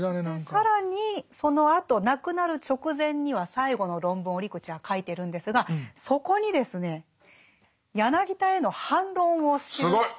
更にそのあと亡くなる直前には最後の論文を折口は書いてるんですがそこにですね柳田への反論を記しているんですね。